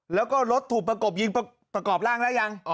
แล้วก็รถถูกประกบยิงประกอบร่างแล้วยัง